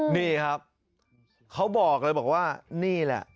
นี่ครับเขาบอกเลยบอกว่านี่แหละ